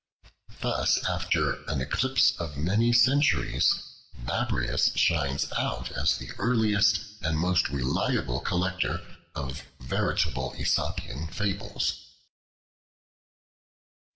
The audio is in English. Thus, after an eclipse of many centuries, Babrias shines out as the earliest, and most reliable collector of veritable Aesopian Fables.